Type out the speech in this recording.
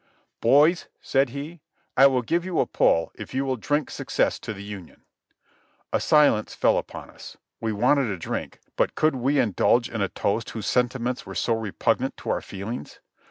"Boys," said he, "I will give you a pull if you will drink success to the Union." A silence fell upon us ; we wanted a drink, but could we indulge in a toast whose sentiments were so repugnant to our feelings?